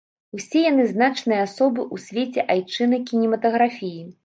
Усе яны значныя асобы ў свеце айчыннай кінематаграфіі.